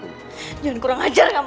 jangan kurang ajar kamu